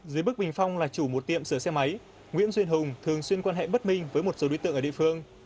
dưới bức bình phong là chủ một tiệm sửa xe máy nguyễn xuân hùng thường xuyên quan hệ bất minh với một số đối tượng ở địa phương